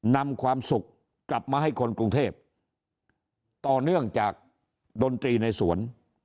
นำความสุขกลับมาให้คนกรุงเทพต่อเนื่องจากดนตรีในสวน